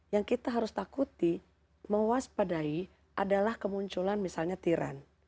yang kita harus takuti mewaspadai adalah kemunculan misalnya tiran